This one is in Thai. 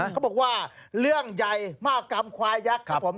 เขาบอกว่าเรื่องใหญ่มากกรรมควายยักษ์ครับผม